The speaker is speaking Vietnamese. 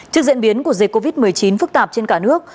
trước diễn biến của dịch covid một mươi chín phức tạp trên cả nước